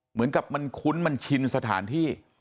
เหมือนกับมันคุ้นมันชินสถานที่